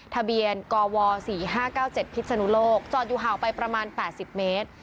ทะเบียนกว๔๕๙๗พิศนุโลกจอดอยู่ห่างไปประมาณ๘๐เมตร